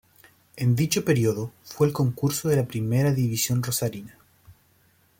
En dicho período, fue el concurso de la primera división rosarina.